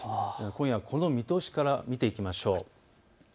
今夜はこの見通しから見ていきましょう。